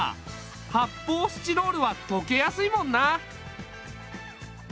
はっぽうスチロールはとけやすいもんな。